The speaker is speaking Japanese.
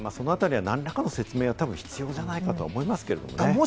そのあたりは何らかの説明は必要なんじゃないかと思いますけれどもね。